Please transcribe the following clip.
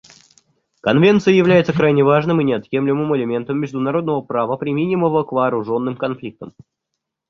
Конвенция является крайне важным и неотъемлемым элементом международного права, применимого к вооруженным конфликтам.